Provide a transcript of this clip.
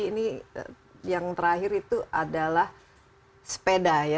ini yang terakhir itu adalah sepeda ya